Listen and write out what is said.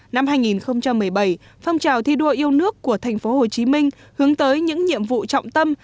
năm hai nghìn một mươi bảy phong trào thi đua yêu nước của thành phố hồ chí minh hướng tới những nhiệm vụ trọng tâm